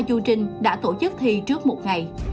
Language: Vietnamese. chưu trinh đã tổ chức thi trước một ngày